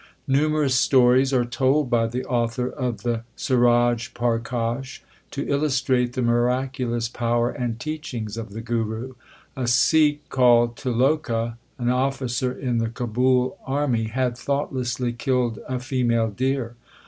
Numerous stories are told by the author of the Suraj Parkash to illustrate the miraculous power and teachings of the Guru. A Sikh called Tiloka, an officer in the Kabul army, had thoughtlessly killed a female deer.